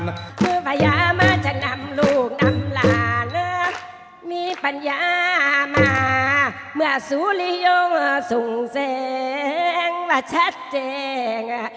มือพญามันจะนำลูกนำหลานมีปัญญามาเมื่อสุริยงษ์สุ่งเสียงมาชัดแดง